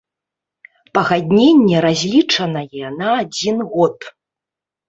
Пагадненне разлічанае на адзін год.